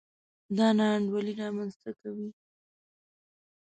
دا نا انډولي رامنځته کوي.